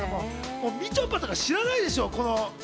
みちょぱとか知らないでしょ？